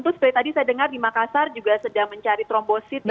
tapi seperti tadi saya dengar di makassar juga sedang mencari trombosit ya pak